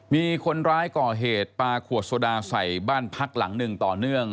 มีคนร้ายก่อเหตุปลาขวดโซดาใส่บ้านพักหลังหนึ่งต่อเนื่อง